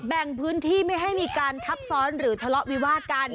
แบ่งพื้นที่ไม่ให้มีการทับซ้อนหรือทะเลาะวิวาดกัน